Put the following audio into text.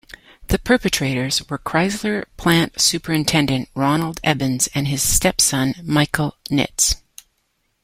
The perpetrators were Chrysler plant superintendent Ronald Ebens and his stepson, Michael Nitz.